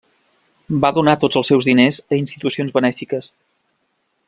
Va donar tots els seus diners a institucions benèfiques.